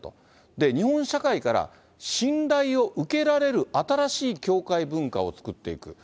で、日本社会から信頼を受けられる新しい教会文化を作っていく。